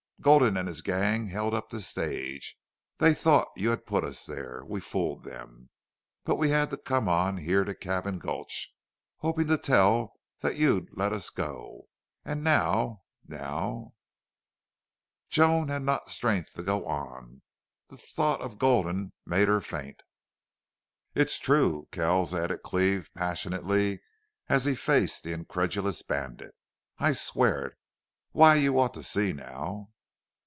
Gulden and his gang held up the stage. They thought you had put us there. We fooled them, but we had to come on here to Cabin Gulch hoping to tell that you'd let us go.... And now now " Joan had not strength to go on. The thought of Gulden made her faint. "It's true, Kells," added Cleve, passionately, as he faced the incredulous bandit. "I swear it. Why, you ought to see now!"